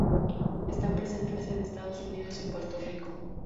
Están presentes en Estados Unidos y Puerto Rico.